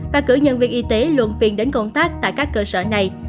và cử nhân viên y tế luân phiên đến công tác tại các cơ sở này